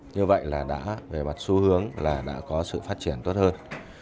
như vậy là đã về mặt xu hướng là đã có sự phát triển tốt hơn